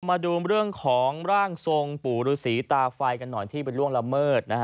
มาดูเรื่องของร่างทรงปู่ศีรษฐ์ตาไฟกันหน่อยที่เป็นล่วงละเมิด